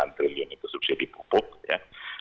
dua puluh delapan triliun itu subsidi pupuk ya